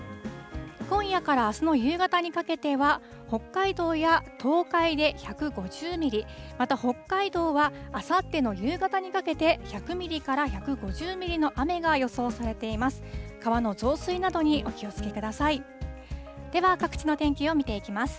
今夜からあすの夕方にかけては、北海道や東海で１５０ミリ、また北海道はあさっての夕方にかけて、１００ミリから１５０ミリの雨が予想されています。